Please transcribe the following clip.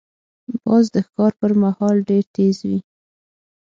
باز د ښکار پر مهال ډېر تیز وي